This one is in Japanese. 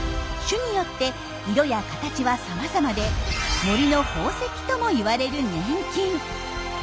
種によって色や形はさまざまで「森の宝石」とも言われる粘菌。